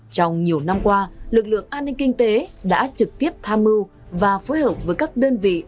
trong nhiều năm qua lực lượng an ninh kinh tế đã trực tiếp tham mưu và phối hợp với các đơn vị